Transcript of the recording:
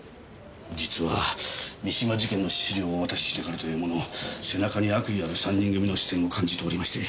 実は三島事件の資料をお渡ししてからというもの背中に悪意ある３人組の視線を感じておりまして。